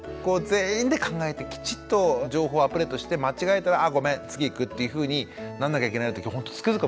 全員で考えてきちっと情報をアップデートして間違えたら「あごめん」次へ行くっていうふうになんなきゃいけないってほんとつくづく思いました。